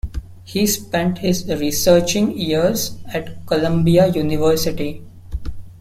He spent his researching years at Columbia University.